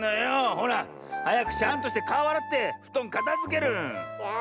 ほらはやくシャンとしてかおあらってふとんかたづける！